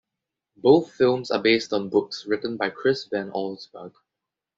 Both films are based on books written by Chris Van Allsburg.